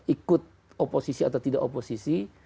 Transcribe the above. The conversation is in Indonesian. ikut oposisi atau tidak oposisi